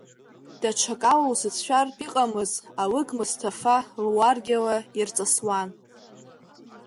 Даҽакала узыцәшәартә иҟамыз алыг Мысҭафа луаргьала ирҵысуан.